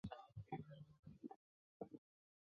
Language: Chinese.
李璜当选为外务部长。